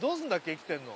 生きてんの。